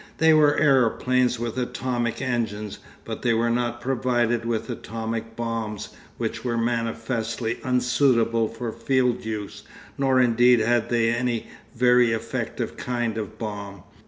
They were aeroplanes with atomic engines, but they were not provided with atomic bombs, which were manifestly unsuitable for field use, nor indeed had they any very effective kind of bomb.